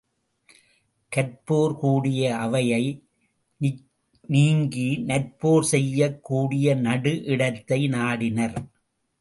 கற்போர் கூடிய அவையை நீங்கி நற்போர் செய்யக் கூடிய நடு இடத்தை நாடினர்.